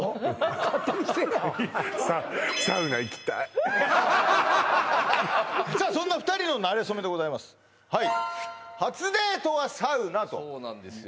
勝手にせえやさあそんな２人のなれ初めでございますそうなんですよ